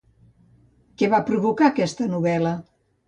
Què va provocar aquesta novel·la?